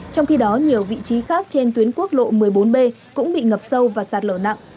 trong khi đó nhiều vị trí khác trên tuyến quốc lộ một mươi bốn b cũng bị ngập sâu và sạt lở nặng